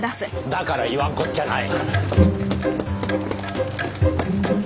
だから言わんこっちゃない。